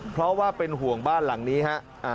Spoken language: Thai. เพราะว่าเป็นห่วงบ้านหลังนี้ฮะ